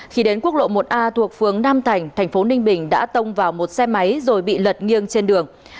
khi đến quốc lộ một a thuộc phường nam thành thành phố ninh bình đã tông vào một xe máy rồi bị lật nghiêng trên đường